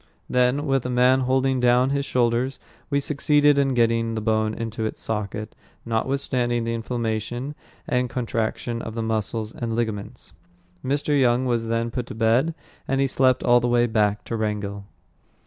Then, with a man holding down his shoulders, we succeeded in getting the bone into its socket, notwithstanding the inflammation and contraction of the muscles and ligaments. Mr. Young was then put to bed, and he slept all the way back to Wrangell.